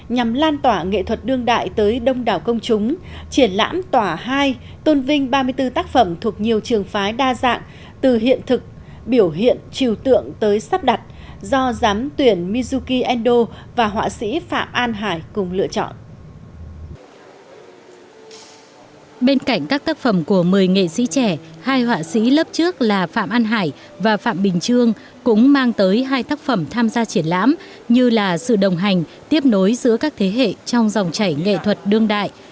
nhằm lan tỏa nghệ thuật đương đại tới đông đảo công chúng triển lãm tỏa hai tôn vinh ba mươi bốn tác phẩm thuộc nhiều trường phái đa dạng từ hiện thực biểu hiện chiều tượng tới sắp đặt do giám tuyển mizuki endo và họa sĩ phạm an hải cùng lựa chọn